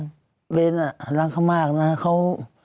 แต่เบสอ่ะรักเขามากนะเขา